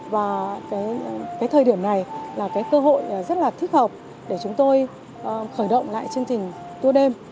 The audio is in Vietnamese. và thời điểm này là cơ hội rất thích hợp để chúng tôi khởi động lại chương trình tour đêm